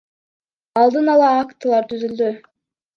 Алдын ала актылар түзүлдү.